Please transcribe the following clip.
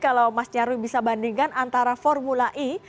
kalau mas nyarwi bisa bandingkan antara formula e